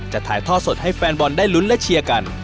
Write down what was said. ถ่ายท่อสดให้แฟนบอลได้ลุ้นและเชียร์กัน